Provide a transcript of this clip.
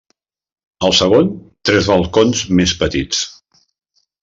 Al segon, tres balcons més petits.